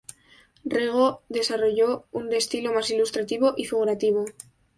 Rego desarrolló un estilo más ilustrativo y figurativo.